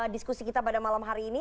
diskusi kita pada malam hari ini